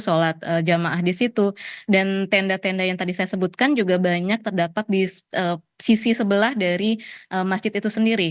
sholat jamaah di situ dan tenda tenda yang tadi saya sebutkan juga banyak terdapat di sisi sebelah dari masjid itu sendiri